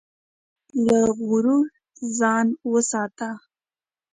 له غرور ځان وساته.